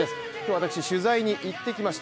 私取材に行ってきました